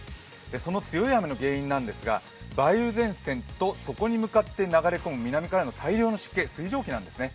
その強い雨の原因なんですが、梅雨前線とそこに向かって流れ込む南からの大量の湿気、水蒸気なんですね。